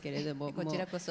こちらこそ。